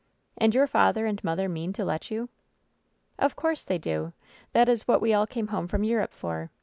"And your father and mother mean to let you ?" "Of course they do ! That is what we all came home from Europe for.